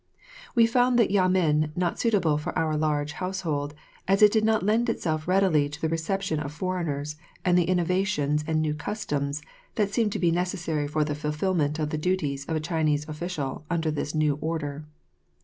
We found the Yamen not suitable for our large household, as it did not lend itself readily to the reception of foreigners and the innovations and new customs that seem to be necessary for the fulfillment of the duties of a Chinese official under this new order.